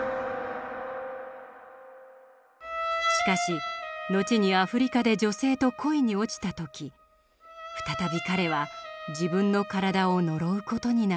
しかし後にアフリカで女性と恋に落ちた時再び彼は自分の体を呪う事になります。